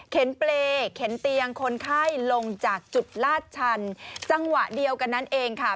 เปรย์เข็นเตียงคนไข้ลงจากจุดลาดชันจังหวะเดียวกันนั้นเองค่ะ